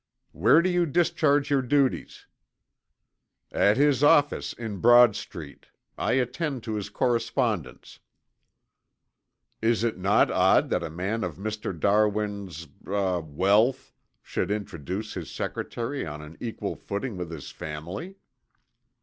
"Where do you discharge your duties?" "At his office in Broad Street. I attend to his correspondence." "Is it not odd that a man of Mr. Darwin's er wealth should introduce his secretary on an equal footing with his family?"